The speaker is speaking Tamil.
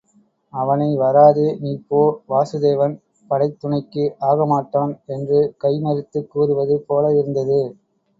அவனை வராதே நீ போ வாசுதேவன் படைத் துணைக்கு ஆகமாட்டான் என்று கை மறித்துக் கூறுவது போல இருந்தது.